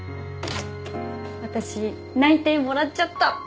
私内定もらっちゃった。